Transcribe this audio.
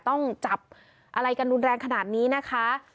ต้องจับอะไรกันรุนแรงขนาดนี้นะคะ